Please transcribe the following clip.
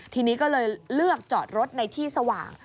ทีนี้ก็เลยเลือกจอดรถในที่สว่าง